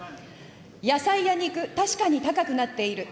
野菜や肉、確かに高くなっている。